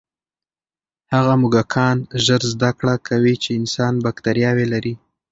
هغه موږکان ژر زده کړه کوي چې انسان بکتریاوې لري.